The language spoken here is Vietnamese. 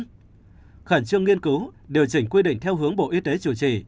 bộ y tế cũng được yêu cầu khẩn trương nghiên cứu điều chỉnh quy định theo hướng bộ y tế chủ trì